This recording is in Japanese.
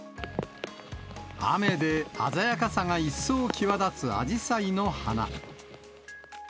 雨で鮮やかさが一層際立つアジサイの花。